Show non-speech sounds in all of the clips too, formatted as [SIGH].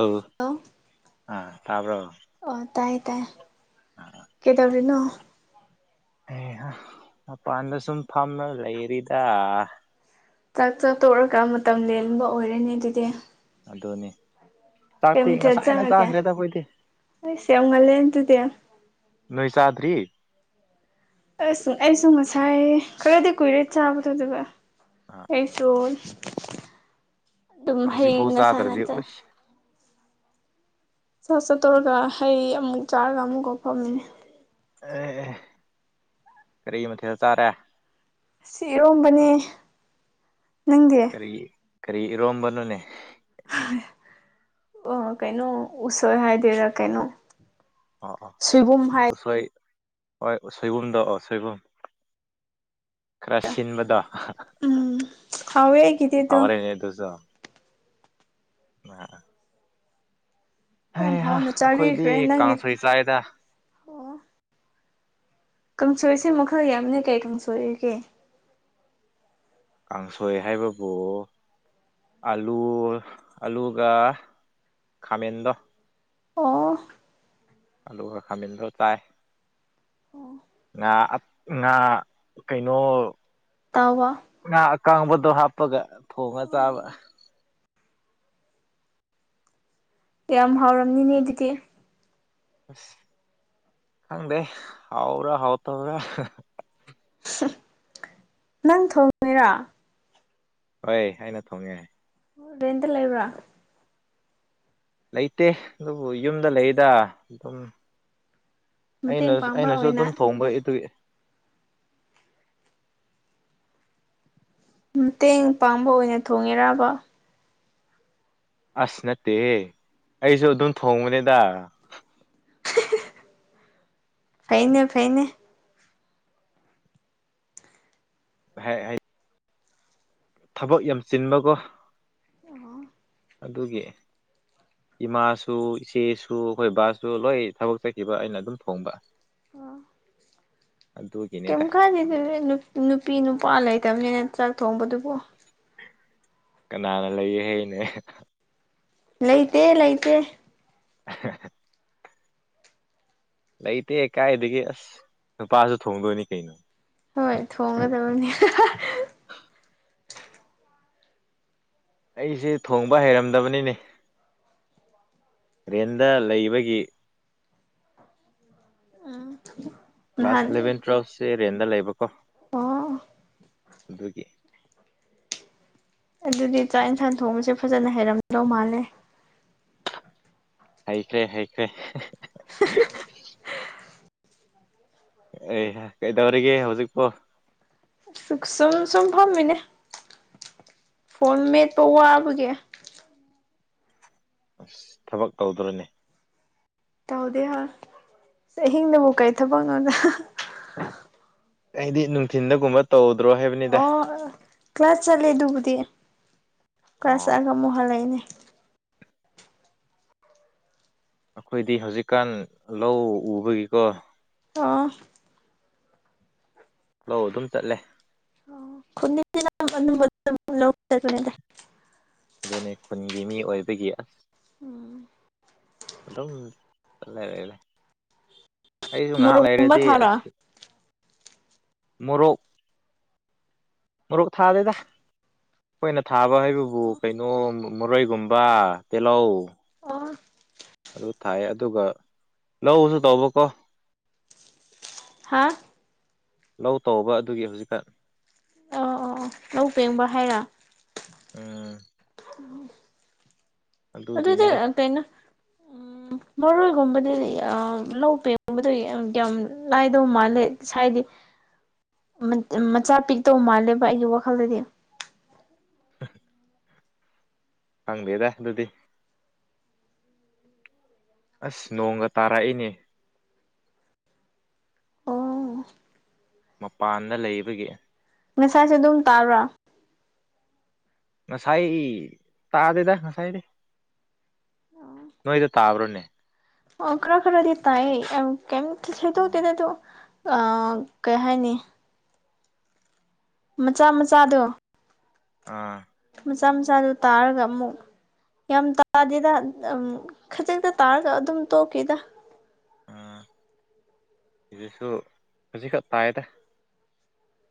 ꯑ ꯍꯜꯂꯣ ꯑꯥ ꯇꯥꯕ꯭ꯔꯣ ꯑꯣ ꯇꯥꯏ ꯇꯥꯏ ꯑꯥ ꯀꯩꯗꯕꯔꯤꯅꯣ ꯑꯦ ꯃꯄꯥꯟꯗ ꯁꯨꯝ ꯐꯝꯅ ꯂꯩꯔꯤꯗ ꯆꯥꯛ ꯆꯥꯛ ꯇꯣꯛꯔꯒ ꯃꯇꯝ ꯂꯦꯟꯕ ꯑꯣꯏꯔꯅꯦ ꯑꯗꯨꯗꯤ ꯑꯗꯨꯣꯅꯤ ꯀꯩ ꯆꯥꯛꯇꯤ ꯃꯊꯦꯜ ꯉꯁꯥꯏꯅ ꯆꯥꯔꯒꯦ ꯆꯥꯈ꯭ꯔꯦ ꯇꯕꯣꯏꯗꯤ ꯑꯩꯁ ꯌꯥꯝ ꯉꯜꯂꯦ ꯑꯗꯨꯗꯤ ꯅꯣꯏꯁꯥꯗ꯭ꯔꯤ ꯑꯁ ꯑꯩꯁꯨ ꯉꯁꯥꯏ ꯈꯔꯗꯤ ꯀꯨꯏꯔꯦ ꯆꯥꯕꯗꯕ ꯑꯥ ꯑꯩꯁꯨ ꯑꯗꯨꯝ ꯍꯩ ꯍꯧꯖꯤꯛꯐꯥꯎ ꯉꯁꯂ ꯆꯥꯗ꯭ꯔꯗꯤ ꯆ ꯎꯁ ꯆꯠ ꯆꯠꯇꯧꯔꯒ ꯍꯩ ꯑꯃꯨꯛ ꯆꯥꯔꯒ ꯑꯃꯨꯛ ꯀ ꯐꯝꯃꯤꯅꯦ ꯑꯦ ꯀꯔꯤ ꯃꯊꯦꯜ ꯆꯥꯔꯦ ꯁꯤ ꯏꯔꯣꯝꯕꯅꯦ ꯅꯪꯒꯤ ꯑꯩꯈꯣꯏꯒꯤ ꯀꯔꯤ ꯏꯔꯣꯝꯕꯅꯣꯅꯦ ꯑꯣ ꯀꯩꯅꯣ ꯎꯁꯣꯏ ꯍꯥꯏꯗꯔꯥ ꯀꯩꯅꯣ ꯑꯥ ꯁꯣꯏꯕꯨꯝ ꯍꯥꯏ ꯑꯥꯁꯥꯏ ꯍꯣꯏ ꯁꯣꯏꯕꯨꯝꯗꯣ ꯑꯣ ꯁꯣꯏꯕꯨꯝ ꯈꯔ ꯁꯤꯟꯕꯗꯣ ꯍꯥꯎ ꯍꯦꯒ ꯍꯔꯦꯅꯦꯁꯨ ꯑ ꯍ ꯌꯥꯝ ꯍꯥꯎꯅ ꯑꯩꯈꯣꯏꯗꯤ ꯆꯥꯕꯤꯈ꯭ꯔꯦ ꯅꯪꯒꯤ ꯀꯥꯡꯁꯣꯏ ꯆꯥꯏꯗ ꯑꯣ ꯀꯥꯡꯁꯣꯏꯁꯦ ꯃꯈꯜ ꯌꯥꯝꯅꯦ ꯀꯩ ꯀꯥꯡꯁꯣꯏꯔꯤꯒꯦ ꯀꯥꯡꯁꯣꯏ ꯍꯥꯏꯕꯕꯨ ꯑꯂꯨ ꯑꯂꯨꯒ ꯈꯥꯃꯦꯟꯗꯣ ꯑꯣ ꯑꯜꯨ ꯈꯔ ꯈꯥꯜꯗ ꯆꯥꯏ ꯉ ꯉꯥ ꯀꯩꯅꯣ ꯇꯕ ꯉ ꯑꯀꯥꯡꯕꯗꯣ ꯍꯥꯞꯄꯒ ꯊꯣꯡꯉ ꯆꯥꯕ ꯌꯥꯝ ꯍꯥꯎꯔꯝꯅꯤꯅꯦ ꯑꯗꯨꯗꯤ ꯑꯁ ꯈꯪꯗꯦ ꯍꯥꯎ꯭ꯔꯥ ꯍꯥꯎ ꯇꯧ꯭ꯔꯥ ꯅꯪ ꯊꯣꯡꯉꯦꯔꯥ ꯍꯣꯏ ꯑꯩꯅ ꯊꯣꯡꯅꯤꯡ ꯑꯣ ꯔꯦꯟꯇ ꯂꯩꯕ꯭ꯔꯥ ꯂꯩꯇꯦ ꯑꯗꯨꯕꯨ ꯌꯨꯝꯗ ꯂꯩꯗ ꯑꯗꯨꯝ ꯃꯇꯦꯡ ꯑꯩꯅ ꯄꯥꯡꯕ ꯑꯩꯅꯁꯨ ꯑꯣꯏꯅ ꯑꯗꯨꯝ ꯊꯣꯡꯕ ꯑꯗꯨ ꯃꯇꯦꯡ ꯄꯥꯡꯕ ꯑꯣꯏꯅ ꯊꯣꯡꯉꯦꯔꯔꯕ ꯑꯁ ꯅꯠꯇꯦ ꯑꯩꯁꯨ ꯑꯗꯨꯝ ꯊꯣꯡꯕꯅꯦꯗ ꯐꯩꯅꯦ ꯐꯩꯅꯦ ꯍꯥꯏ ꯍꯥꯏ ꯊꯕꯛ ꯌꯥꯝ ꯆꯤꯟꯕꯒꯣ ꯑꯣ ꯑꯗꯨꯒꯤ ꯏꯃꯥꯁꯨ ꯏꯆꯦꯁꯨ ꯑꯩꯈꯣꯏ ꯕꯥꯁꯨ ꯂꯣꯏ ꯊꯕꯛ ꯆꯠꯈꯤꯕ ꯑꯩꯅ ꯑꯗꯨꯝ ꯊꯣꯡꯕ ꯑꯣ ꯀꯝ ꯑꯗꯨꯒꯤꯅꯤꯗ ꯈꯥꯗꯗꯨ ꯅꯨꯄꯤ ꯅꯨꯄꯥ ꯂꯩꯇꯕꯅꯤꯅ ꯆꯥꯛ ꯊꯣꯡꯕꯗꯨꯕꯨ ꯀꯅꯥꯅ ꯂꯩꯌꯦ ꯍꯅꯦ ꯂꯩꯇꯦ ꯂꯩꯇꯦ [INAUDIBLE] ꯂꯩꯇꯦ ꯀꯥꯏꯗꯒꯤ ꯑꯁ ꯅꯨꯄꯥꯁꯨ ꯊꯣꯡꯗꯣꯏꯅꯤ ꯀꯩꯅꯣ ꯍꯣꯏ ꯊꯣꯡꯒꯗꯕꯅꯤ ꯑꯩꯁꯦ ꯊꯣꯡꯕ ꯍꯩꯔꯝꯗꯕꯅꯤꯅꯦ ꯇ꯭ꯔꯦꯟꯗ ꯂꯩꯕꯒꯤ ꯑ ꯀ꯭ꯂꯥꯁ ꯑꯦꯂꯚꯦꯟ ꯇꯨꯋꯦꯜꯐꯁꯦ ꯔꯦꯟꯗ ꯂꯩꯕꯀꯣ ꯑꯣ ꯑꯗꯨꯒꯤ ꯑꯗꯨꯗꯤ ꯆꯥꯛ ꯌꯦꯟꯁꯥꯡ ꯊꯣꯡꯕꯁꯦ ꯐꯖꯅ ꯍꯩꯔꯝꯗꯧ ꯃꯥꯜꯂꯦ ꯍꯩꯈ꯭ꯔꯦ ꯍꯩꯈ꯭ꯔꯦ [INAUDIBLE] ꯑꯦ ꯀꯩꯗꯧꯔꯤꯒꯦ ꯍꯧꯖꯤꯛꯄꯣ ꯁꯨ ꯁꯨꯝ ꯁꯨꯝ ꯐꯝꯃꯤꯅꯦ ꯐꯣꯟ ꯃꯦꯠꯄ ꯋꯥꯕꯒꯦ ꯑꯁ ꯊꯕꯛ ꯇꯧꯗ꯭ꯔꯅꯦ ꯇꯧꯗꯦ ꯍꯥ ꯑꯍꯤꯡꯗꯕꯨ ꯀꯔꯤ ꯊꯕꯛ ꯉꯗ ꯑꯩꯗꯤ ꯅꯨꯡꯊꯤꯟꯗꯒꯨꯝꯕ ꯇꯧꯗ꯭ꯔꯣ ꯍꯥꯏꯕꯅꯤꯗ ꯑꯣ ꯀ꯭ꯂꯥꯁ ꯆꯠꯂꯦ ꯑꯗꯨꯕꯨꯗꯤ ꯀ꯭ꯂꯥꯁ ꯑꯣ ꯆꯠꯂꯒ ꯑꯃꯨꯛ ꯍꯜꯂꯛꯏꯅꯦ ꯑꯩꯈꯣꯏꯗꯤ ꯍꯧꯖꯤꯛꯀꯥꯟ ꯂꯧ ꯎꯕꯒꯤꯀꯣ ꯑꯥ ꯂꯧ ꯑꯗꯨꯝ ꯆꯠꯂꯦ ꯈꯨꯟꯅ ꯂ ꯆꯗ ꯑꯗꯨꯅꯤ ꯈꯨꯟꯒꯤ ꯃꯤ ꯑꯣꯏꯕꯒꯤ ꯑꯁ ꯎꯝ ꯑꯗꯨꯝ ꯂꯩ ꯂꯩ ꯂꯩ ꯑꯩꯁꯨ ꯉꯥꯏꯍꯥꯛ ꯃꯣꯔꯣꯛꯀꯨꯝꯕ ꯂꯩꯔꯗꯤ ꯊꯥꯔꯣ ꯑꯁ ꯃꯣꯔꯣꯛ ꯃꯔꯨꯛ ꯊꯥꯗꯗ ꯑꯩꯈꯣꯏꯅ ꯊꯥꯕ ꯍꯥꯏꯕꯕꯨ ꯀꯩꯅꯣ ꯃꯣꯏꯒꯨꯝꯕ ꯇꯤꯍꯧ ꯑꯣ ꯑꯗꯨ ꯊꯥꯏ ꯑꯗꯨꯒ ꯂꯧꯁꯨ ꯇꯧꯕꯀꯣ ꯍꯥ ꯂꯧ ꯇꯧꯕ ꯑꯗꯨꯒꯤ ꯍꯧꯖꯤꯛꯀ ꯑꯣ ꯑꯣ ꯑꯣ ꯂꯧ ꯄꯦꯡꯕ ꯍꯥꯏꯔ ꯎꯝ ꯎꯝ ꯑꯗꯨꯒꯤꯅꯤꯗ ꯑꯗꯨꯗꯤꯅ [INAUDIBLE] ꯎ ꯃꯔꯣꯏꯒꯨꯝꯕꯗꯤ ꯂꯧ ꯄꯦꯒꯨꯝꯕꯗ ꯌꯥꯝ ꯂꯅꯥꯥꯏꯗꯧ ꯃꯥꯜꯂꯦ ꯍꯥꯏꯗꯤ [INAUDIBLE] ꯃꯆꯥ ꯄꯤꯛꯇꯧ ꯃꯥꯜꯂꯦꯕ ꯑꯩꯒꯤ ꯋꯥꯈꯜꯗꯗꯤ ꯑ ꯐꯪꯗꯦꯗ ꯑꯗꯨꯗꯤ ꯑꯁ ꯅꯣꯡꯒ ꯇꯥꯔꯛꯏꯅꯦ ꯑꯣ ꯃꯄꯥꯟꯗ ꯂꯩꯕꯒꯤ ꯉꯁꯥꯁꯦ ꯑꯗꯨꯝ ꯇꯥꯔꯥ ꯉꯁꯥꯏ ꯇꯥꯗꯦꯗ ꯉꯁꯥꯏꯗꯤ ꯅꯣꯏꯗ ꯇꯥꯕ꯭ꯔꯣꯅꯦ ꯑꯣ ꯈꯔ ꯈꯔꯗꯤ ꯇꯥꯏ ꯀ ꯑꯣ ꯇꯅ ꯀꯩ ꯍꯥꯏꯥꯏꯅꯤ ꯃꯆꯥ ꯃꯆꯥꯗꯣ ꯑꯥ ꯃꯆꯥ ꯃꯆꯥꯗꯨ ꯇꯥꯔꯒ ꯑꯃꯨꯛ ꯌꯥꯝ ꯇꯥꯗꯦꯗ ꯈꯖꯤꯛꯇ ꯇꯥꯔꯒ ꯑꯗꯨꯝ ꯇꯣꯛꯈꯤꯗ ꯑꯗꯨꯁꯨ ꯍꯧꯖꯤꯛ ꯇꯥꯏꯗ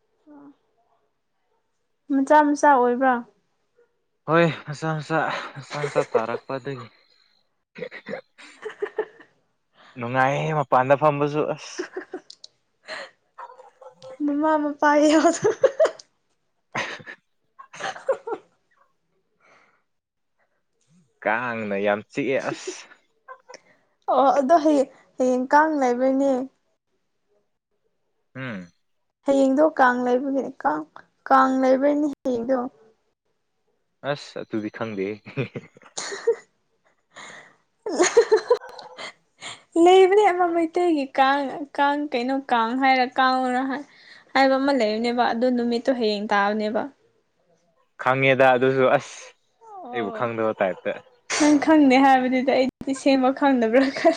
ꯑ ꯃꯆꯥ ꯃꯆꯥ ꯑꯣꯏꯕ꯭ꯔꯥ ꯍꯣꯏꯆꯥꯁꯥ ꯍꯆꯥꯁꯥ ꯇꯥꯔꯛꯄꯗꯒꯤ ꯅꯨꯡꯉꯥꯏꯌꯦ ꯃꯄꯥꯟꯗ ꯐꯝꯕꯁꯨ ꯑꯁ ꯃꯃꯥ ꯃꯄꯥ ꯌꯥꯗꯅ [INAUDIBLE] ꯀꯥꯡꯅ ꯌꯥꯝ ꯆꯤꯛꯑꯦ ꯑꯁ ꯑꯣ ꯑꯗꯣ ꯍꯌꯦꯡ ꯍꯌꯦꯡ ꯀꯥꯡ ꯂꯩꯕꯅꯦ ꯎꯝ ꯍꯌꯦꯡꯗꯣ ꯀꯥꯡ ꯂꯩꯕꯒꯤꯅꯤ ꯀꯥꯡ ꯀꯥꯡ ꯂꯩꯕꯩꯅꯤ ꯍꯌꯦꯡꯗꯣ ꯑꯁ ꯑꯗꯨꯨꯗꯤ ꯈꯪꯗꯦ ꯍꯜ [UNINTELLIGIBLE] ꯂꯩꯕꯅꯦ ꯑꯃ ꯃꯩꯇꯩꯒꯤ ꯀꯥꯡ ꯀꯥꯡ ꯀꯩꯅꯣ ꯀꯥꯡ ꯍꯥꯏꯔ ꯀꯥꯡ ꯍꯥꯏꯕ ꯑꯃ ꯂꯩꯕꯅꯦꯕ ꯑꯗꯨ ꯅꯨꯃꯤꯠꯇꯣ ꯍꯌꯦꯡ ꯇꯥꯕꯅꯦꯕ ꯈꯪꯉꯦꯗ ꯑꯗꯨꯁꯨ ꯑꯁ ꯑꯩꯕꯨ ꯑꯣ ꯈꯪꯗꯕ ꯇꯥꯏꯞꯇ ꯅꯪ ꯈꯪꯗꯦ ꯍꯥꯏꯕꯗꯨꯗꯤ ꯑꯩꯗꯤ ꯁꯦꯝꯕ ꯈꯪꯗꯅꯕ꯭ꯔꯥ ꯈ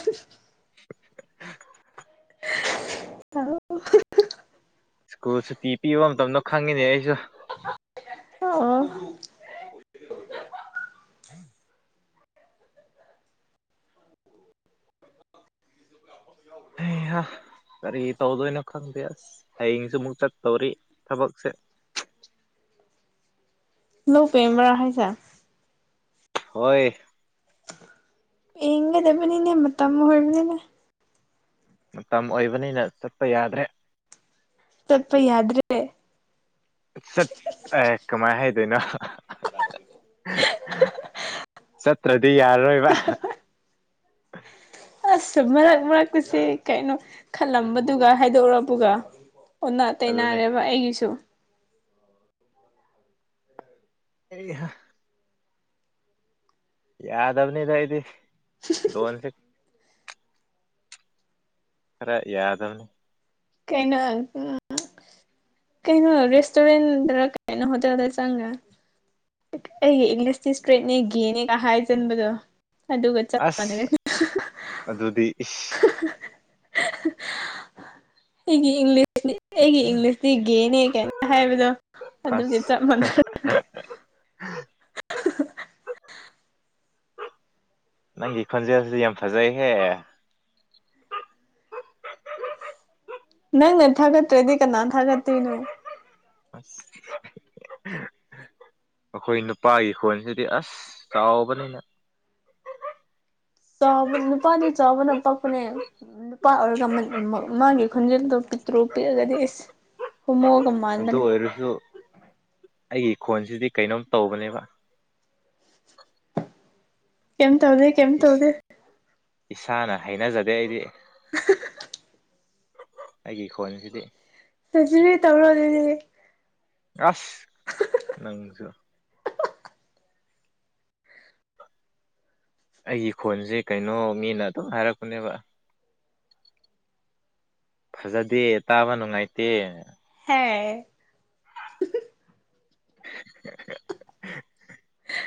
[INAUDIBLE] ꯍ ꯁ꯭ꯀꯨꯜ ꯁꯨꯇꯤ ꯄꯤꯕ ꯃꯇꯝꯗꯣ ꯈꯪꯉꯤꯅꯦ ꯑꯩꯁꯨ ꯑꯣ ꯌꯥꯎ ꯑꯩꯍ ꯀꯔꯤ ꯇꯧꯗꯣꯏꯅꯣ ꯈꯪꯗꯦ ꯑꯁ ꯍꯌꯦꯡꯁꯨ ꯑꯃꯨꯛ ꯆꯠꯇꯧꯔꯤ ꯊꯕꯛꯁꯦ ꯂ ꯄꯦꯝꯕꯔꯥ ꯍꯥꯏꯁ ꯍꯣꯏ ꯍꯒꯗꯕꯅꯤꯅꯦ ꯃ ꯃꯇꯝ ꯑꯣꯏꯣꯏꯕꯅꯤꯅꯦ ꯃꯇꯝ ꯑꯣꯏꯕꯅꯤꯅ ꯆꯠꯄ ꯌꯥꯗ꯭ꯔꯦ ꯆꯄ ꯌꯥꯗ꯭ꯔꯦ ꯆꯠ ꯑꯦ ꯀꯃꯥꯏ ꯍꯥꯏꯗꯣꯏꯅꯣ ꯆꯠꯇ꯭ꯔꯗꯤ ꯌꯥꯔꯔꯣꯏꯕ ꯑꯁ ꯃꯔꯛ ꯃꯔꯛꯇꯨꯁꯦ ꯀꯩꯅꯣ ꯈꯜꯂꯝꯕꯗꯨꯒ ꯍꯥꯏꯗꯣꯛꯕꯒ ꯑꯣꯟꯅ ꯑꯗꯨꯅꯦ ꯇꯩꯅꯔꯦꯕ ꯑꯩꯒꯤꯁꯨ ꯑꯩ ꯌꯥꯗꯕꯅꯤꯗ ꯏꯗꯤ ꯗꯣꯟꯁꯦ ꯈꯔꯦ ꯌꯥꯗꯧꯅꯤ ꯀꯩꯅꯩꯅ ꯀꯩꯅꯣ ꯔꯦꯁꯇꯣꯣꯔꯦꯟ ꯀꯥꯏꯅ ꯍꯣꯇꯦꯜꯗ ꯆꯥꯡꯒ ꯑꯩꯒꯤ ꯏꯪꯂꯤꯁꯇꯤ ꯏꯁꯇ꯭ꯔꯦꯠꯅꯦ ꯒꯦꯅꯦꯒ ꯍꯥꯏ ꯆꯟꯕꯗꯣ ꯑꯁ ꯑꯗꯨꯗꯤ ꯏ ꯑꯩꯒꯤ ꯏꯪꯂꯤꯁ ꯑꯩꯒꯤ ꯏꯪꯂꯤꯁꯇꯤ ꯒꯦꯅꯦ ꯀꯥꯏꯅ ꯍꯥꯏꯕꯗꯣ ꯑꯗꯨꯒꯤ ꯑꯁ ꯆꯞ ꯃꯥꯟꯅ ꯅꯪꯒꯤ ꯈꯣꯟꯖ ꯍꯧꯁꯨ ꯌꯥꯝ ꯐꯖꯩꯍꯦ ꯅꯪ ꯅ ꯊꯥꯒꯠ꯭ꯔꯦꯗꯤ ꯀꯅꯥ ꯊꯥꯒ ꯇꯦꯅꯣ ꯑꯁ ꯑꯩꯈꯣꯏ ꯅꯨꯄꯥꯒꯤ ꯈꯣꯟꯁꯤꯗꯤ ꯑꯁ ꯆꯥꯎꯕꯅꯤꯅ ꯆꯥꯕ ꯅꯨꯄꯥꯅꯤ ꯆꯥꯕꯅ ꯄꯛꯄꯅꯦ ꯅꯨꯄꯥ ꯑꯣꯏꯔꯒ ꯃꯥꯒꯤ ꯈꯣꯟꯖꯦꯜꯗꯣ ꯄꯤꯛꯇ꯭ꯔꯣ ꯄꯤꯛꯑꯒꯗꯤ ꯑꯦ ꯀꯨꯃꯣꯒꯃ ꯑꯗꯨ ꯑꯣꯏꯔꯁꯨ ꯑꯩꯒꯤ ꯈꯣꯟꯁꯤꯗꯤ ꯀꯩꯅꯣꯝ ꯇꯧꯕꯅꯦꯕ ꯑꯦ ꯇ ꯍꯧꯖꯤ ꯏꯁꯥꯅ ꯍꯩꯅꯖꯗꯦ ꯑꯩꯗꯤ ꯍ ꯑꯩꯒꯤ ꯈꯣꯟꯁꯤꯗꯤ ꯇꯖ ꯇꯧꯔꯣꯗꯔꯤ ꯑꯁ ꯅꯪꯁꯨ ꯑꯩꯒꯤ ꯈꯣꯟꯁꯦ ꯀꯩꯅꯣ ꯃꯤꯅ ꯑꯗꯨꯝ ꯍꯥꯏꯔꯛꯄꯅꯦꯕ ꯐꯖꯗꯦ ꯇꯥꯕ ꯅꯨꯡꯉꯥꯏꯇꯦ [UNINTELLIGIBLE]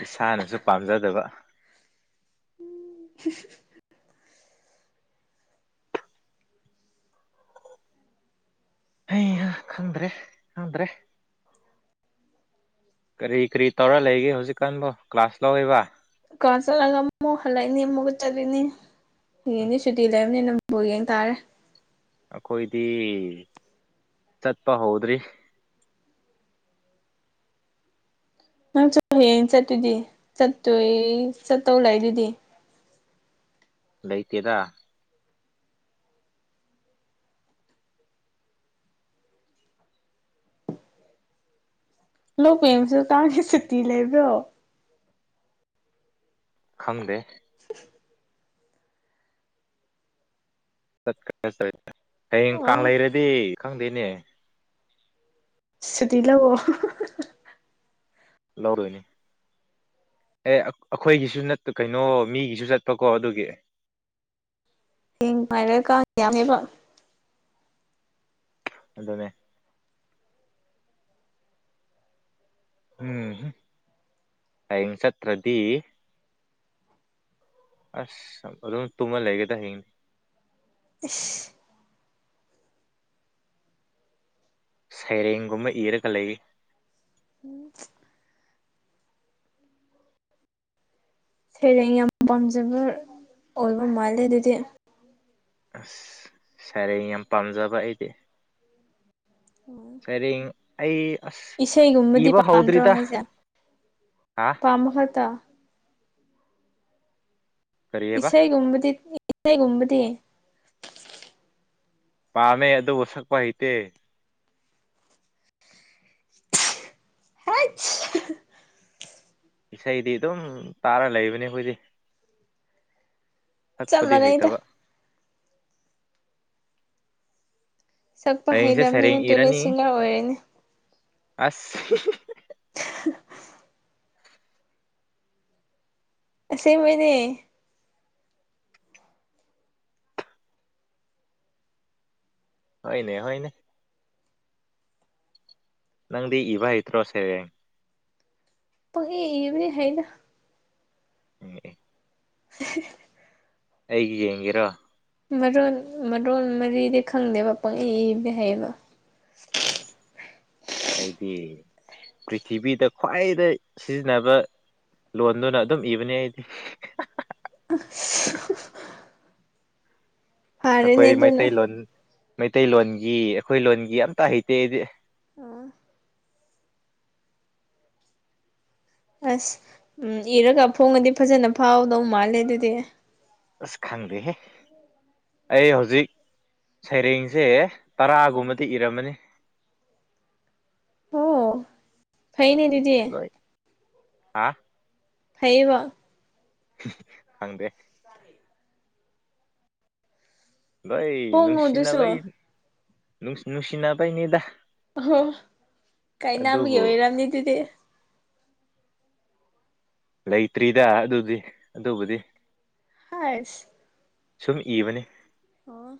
ꯏꯁꯥꯅꯁꯨ ꯄꯥꯝꯖꯗꯕ [UNINTELLIGIBLE] ꯍ ꯈꯪꯗ꯭ꯔꯦ ꯈꯪꯗ꯭ꯔꯦ ꯀꯔꯤ ꯀꯔꯤ ꯇꯧꯔ ꯂꯩꯒꯦ ꯍꯧꯖꯤꯛꯀꯥꯟꯕꯣ ꯀ꯭ꯂꯥꯁ ꯂꯧꯔꯤꯕ ꯀ ꯆꯠꯂꯒ ꯑꯃꯨꯛ ꯍꯜꯂꯛꯏꯅꯤ ꯑꯃꯨꯛꯀ ꯆꯠꯂꯤꯣꯏꯅꯤ ꯌꯦꯅꯦ ꯁꯨꯇꯤ ꯂꯩꯕꯅꯤ ꯅꯪꯕꯨ ꯌꯦꯡ ꯇꯥꯔꯦ ꯑꯩꯈꯣꯏꯗꯤ ꯆꯠꯄ ꯍꯧꯗ꯭ꯔꯤ ꯅꯪ ꯆꯠ ꯍꯌꯦꯡ ꯆꯠꯇꯨꯗꯤ ꯆꯠꯇꯣꯏ ꯆꯠꯇꯧ ꯂꯩ ꯑꯗꯨꯗꯤ ꯂꯩꯇꯗ ꯂꯣꯛ ꯀꯦꯝꯁꯨ ꯇꯥꯡꯒꯤ ꯁꯨꯇꯤ ꯂꯩꯕ꯭ꯔꯣ ꯈꯪꯗꯦ [UNINTELLIGIBLE] ꯆꯠꯀꯦ ꯆꯠ ꯍꯌꯦꯡ ꯀꯥꯡ ꯂꯩꯔꯗꯤ ꯈꯪꯗꯦꯅꯦ ꯁꯤꯔꯤꯂꯕꯣ ꯂꯧꯔꯨꯏꯅꯦ ꯑꯦ ꯑꯩꯈꯣꯏꯒꯤꯁꯨ ꯀꯩꯅꯣ ꯃꯤꯒꯤꯁꯨ ꯆꯠꯄꯀꯣ ꯑꯗꯨꯒꯤ ꯊꯦꯡ ꯍꯥꯏꯔꯒ ꯀꯥꯡ ꯌꯥꯝꯃꯦꯕ ꯑꯗꯨꯗꯅꯦ ꯎꯝ ꯍꯌꯦ ꯆꯠꯇ꯭ꯔꯗꯤ ꯑꯁ ꯑꯗꯨꯝ ꯇꯨꯝꯃ ꯂꯩꯒꯦꯗ ꯍꯌꯦꯅꯤ ꯏꯁ ꯁꯩꯔꯦꯡꯒꯨꯝꯕ ꯏꯔꯒ ꯂꯩ ꯎꯝ ꯁꯦꯔꯦꯡ ꯌꯥꯝ ꯄꯥꯝꯖꯕ ꯑꯣꯏꯜꯕ ꯃꯥꯜꯂꯦ ꯑꯗꯨꯗꯤ ꯑꯁ ꯁꯥꯔꯦ ꯌꯥꯝ ꯄꯥꯝꯖꯕ ꯑꯩꯗꯤ ꯁꯔꯦꯡ ꯑꯩ ꯑꯁ ꯏꯁꯩꯒꯨꯝꯕꯗꯤ ꯏꯕ ꯄꯥꯝꯗ꯭ꯔꯣ ꯍꯥꯎꯗ꯭ꯔꯗ ꯍꯥ ꯀꯝꯈꯇꯥ ꯀꯔꯤꯑꯕ ꯏꯁꯩꯒꯨꯝꯕꯗꯤ ꯏꯁꯩꯒꯨꯝꯕꯗꯤ ꯄꯥꯝꯃꯦ ꯑꯗꯨꯕꯨ ꯁꯛꯄ ꯍꯩꯇꯦ ꯑ ꯏꯁꯩꯗꯤ ꯑꯗꯨꯝ ꯇꯥꯔ ꯂꯩꯕꯅꯤ ꯑꯩꯈꯣꯏꯗꯤ ꯆꯞ ꯊꯛꯄꯗꯤ ꯃꯥꯟꯅꯩꯗ ꯍꯩꯇꯕ ꯁꯛꯄ ꯍꯌꯦꯡꯁꯦ ꯍꯩꯇꯕꯅꯤꯅ ꯁꯩꯔꯦꯡ ꯇꯣꯏꯂꯦꯠ ꯏꯔꯅꯤ ꯁꯤꯡꯂꯔ ꯑꯣꯏꯔꯅꯦ ꯑꯁ [UNINTELLIGIBLE] ꯁꯤꯃꯤꯅꯦ ꯍꯅꯦ ꯍꯅꯦ ꯅꯪꯗꯤ ꯏꯕ ꯏꯇꯣꯁꯦ ꯄ ꯍ ꯏꯕꯤ ꯍꯥꯏꯅ ꯑꯦ [UNINTELLIGIBLE] ꯑꯩꯒꯤ ꯌꯦꯡꯒꯦꯔꯣ ꯃꯔꯣꯟ ꯃꯔꯣꯟ ꯃꯔꯤꯗꯤ ꯈꯪꯗꯦꯕ ꯄꯪꯏ ꯏꯕ ꯍꯥꯏꯩꯌꯦꯕ ꯑꯁ ꯑꯩꯗꯤ ꯄ꯭ꯔꯤꯊꯤꯕꯤꯗ ꯈ꯭ꯋꯥꯏꯗ ꯁꯤꯖꯤꯟꯅꯕ ꯂꯣꯟꯗꯨꯅ ꯑꯗꯨꯝ ꯏꯕꯅꯦ ꯑꯩꯗꯤ ꯑꯩꯈꯣꯏ ꯐꯔꯦꯅꯦ ꯑꯗꯨꯅ ꯃꯩꯇꯩꯂꯣꯟ ꯃꯩꯇꯩꯂꯣꯟꯒꯤ ꯑꯩꯈꯣꯏ ꯂꯣꯟꯒꯤ ꯑꯇ ꯍꯩꯇꯦ ꯑꯩꯗꯤ ꯑꯣ ꯑꯁ ꯎꯝ ꯏꯔꯒ ꯐꯣꯡꯉꯗꯤ ꯐꯖꯅ ꯐꯥꯎꯗꯧ ꯃꯥꯜꯂꯦ ꯑꯗꯨꯗꯤ ꯑꯁ ꯈꯪꯗꯦꯍꯦ ꯑꯩ ꯍꯧꯖꯤꯛ ꯁꯩꯔꯦꯡꯁꯦ ꯇꯔꯥꯒꯨꯝꯕꯗꯤ ꯏꯔꯝꯃꯅꯤ ꯑꯣ ꯐꯩꯅꯦ ꯑꯗꯨꯗꯤ ꯑ ꯍꯕ ꯈꯪꯗꯦ ꯩ ꯐꯣꯡꯉꯣ ꯑꯗꯨꯁꯨ ꯅꯅꯨꯡꯁꯤꯅꯕꯩ ꯅꯨꯡꯁꯤꯅꯕꯩꯅꯦꯗꯥ ꯑꯍꯣ ꯀꯥꯏꯅꯥꯕꯒꯤ ꯑꯣꯏꯔꯝꯅꯤ ꯑꯗꯨꯗꯤ ꯂꯩꯇ꯭ꯔꯤꯗ ꯑꯗꯨꯗꯤ ꯑꯗꯨꯕꯨꯗꯤ ꯑꯥꯏꯁ ꯁꯨꯝ ꯏꯕꯅꯤ ꯑꯣ